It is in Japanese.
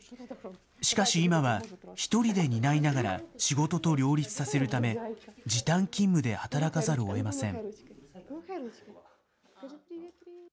しかし今は、１人で担いながら、仕事と両立させるため、時短勤務で働かざるをえません。